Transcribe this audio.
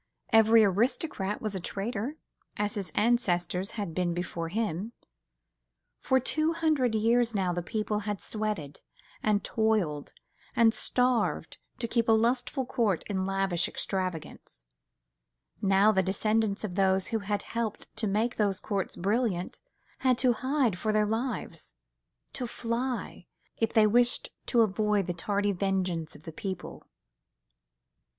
Every aristocrat was a traitor, as his ancestors had been before him: for two hundred years now the people had sweated, and toiled, and starved, to keep a lustful court in lavish extravagance; now the descendants of those who had helped to make those courts brilliant had to hide for their lives—to fly, if they wished to avoid the tardy vengeance of the people.